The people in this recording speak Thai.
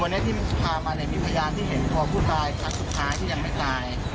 ตัวนี้ที่มันพามามีพยานที่เห็นพ่อผู้ตายทางสุดท้ายที่ยังไม่ตาย